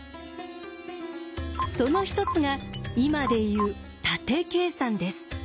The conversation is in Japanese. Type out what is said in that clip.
その一つが今で言う縦計算です。